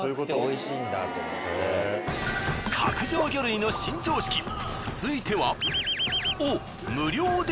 角上魚類の新常識続いては。